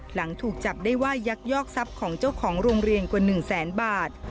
หลังถูกจับได้ว่ายักยอกทรัพย์ของเจ้าของโรงเรียนกว่า๑แสนบาท